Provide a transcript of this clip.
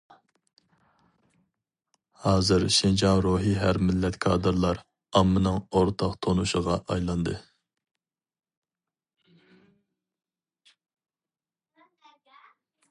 ھازىر شىنجاڭ روھى ھەر مىللەت كادىرلار، ئاممىنىڭ ئورتاق تونۇشىغا ئايلاندى.